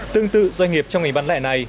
tương tự doanh nghiệp trong ngày bán lẻ này